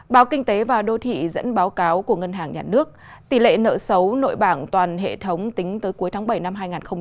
báo kinh tế và đô thị dẫn báo cáo của ngân hàng nhà nước tỷ lệ nợ xấu nội bảng toàn hệ thống tính tới cuối tháng bảy năm hai nghìn hai mươi